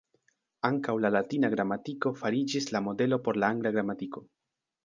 Ankaŭ la latina gramatiko fariĝis la modelo por la angla gramatiko.